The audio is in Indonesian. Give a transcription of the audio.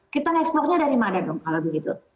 kita nge explore nya dari mana dong kalau begitu